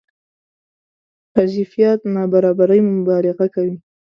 حذفيات نابرابرۍ مبالغه کوي.